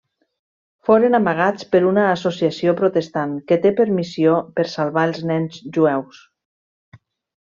Foren amagats per una associació protestant que té per missió per salvar els nens jueus.